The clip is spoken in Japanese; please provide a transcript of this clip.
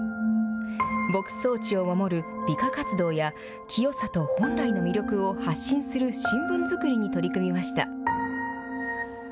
牧草地を守る美化活動や清里本来の魅力を発信する新聞づくりに取り組みました。